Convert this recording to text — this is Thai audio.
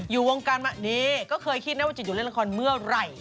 อยู่วงการมาดีก็เคยคิดนะว่าจะหยุดเล่นละครเมื่อไหร่